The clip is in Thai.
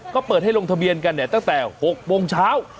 ก็เปิดให้ลงทะเบียนกันเนี่ยตั้งแต่๖โมงเช้า